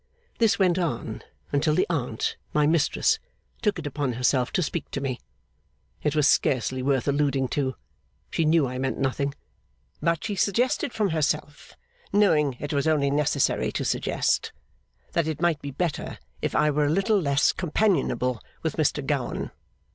This went on, until the aunt, my Mistress, took it upon herself to speak to me. It was scarcely worth alluding to; she knew I meant nothing; but she suggested from herself, knowing it was only necessary to suggest, that it might be better if I were a little less companionable with Mr Gowan.